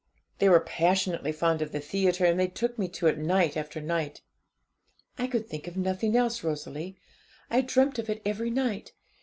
They were passionately fond of the theatre, and they took me to it night after night. 'I could think of nothing else, Rosalie. I dreamt of it every night.